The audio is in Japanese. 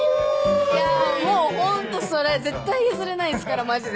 いやもうホントそれ絶対譲れないですからマジで。